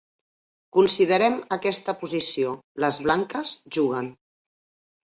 Considerem aquesta posició, les blanques juguen.